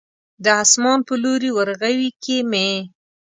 د اسمان په لوی ورغوي کې مې